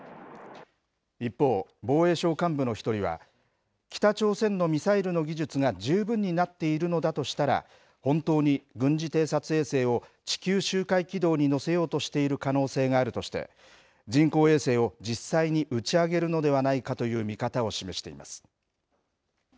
一方、防衛省幹部の一人は、北朝鮮のミサイルの技術が十分になっているのだとしたら、本当に軍事偵察衛星を地球周回軌道に乗せようとしている可能性があるとして、人工衛星を実際に打ち上げるのではないかという見方を示しています。